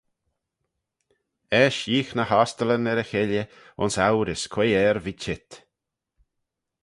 Eisht yeeagh ny ostyllyn er y cheilley ayns ourys quoi er v'eh cheet.